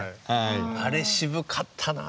あれ渋かったなぁ。